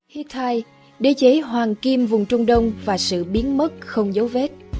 hittite đế chế hoàng kim vùng trung đông và sự biến mất không dấu vết